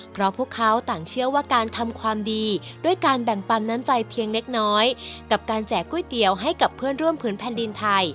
เพราะพวกเขาต่างเชื่อว่าการทำความดีด้วยการแบ่งปั๊มน้ำใจเพียงเล็กน้อยกับการแจกก๋วยเตี๋ยวให้กับเพื่อนร่วมพื้นแผ่นดินไทย